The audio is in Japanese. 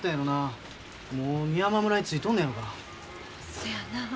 そやな。